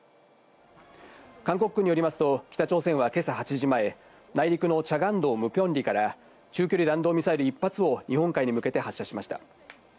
韓国軍によりますと北朝鮮は今朝８時前、内陸のチャガン道ムピョン里から中距離弾道ミサイル１発を日本海に向けて発射しました。